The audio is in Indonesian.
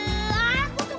tidak tidak tidak